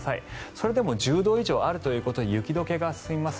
それでも１０度以上あるということで雪解けが進みます。